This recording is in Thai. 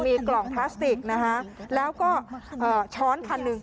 มีกล่องพลาสติกนะคะแล้วก็ช้อนคันหนึ่ง